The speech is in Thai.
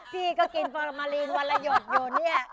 พี่ก็กินฟอร์มาลีนวันละหยดอยู่